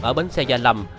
ở bến xe gia lâm